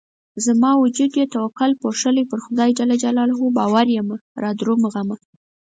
زما وجود يې توکل پوښلی پر خدای ج باور يمه رادرومه غمه